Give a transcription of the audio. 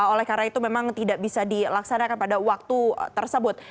oleh karena itu memang tidak bisa dilaksanakan pada waktu tersebut